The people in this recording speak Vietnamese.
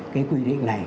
cái quy định này